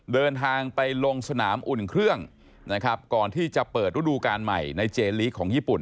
เดินทางไปลงสนามอุ่นเครื่องนะครับก่อนที่จะเปิดฤดูการใหม่ในเจลีกของญี่ปุ่น